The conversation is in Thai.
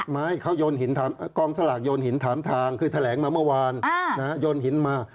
ไม่เขาโยนหินกองสลากโยนหินถามทางคือแถลงมาเมื่อวานโยนหินมา